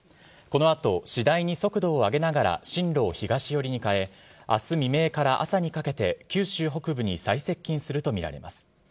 このあと、次第に速度を上げながら進路を東寄りに変え、あす未明から朝にかけて、九州北部に最接近すると見られます。